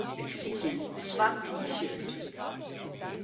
Ik sykje in swart T-shirt.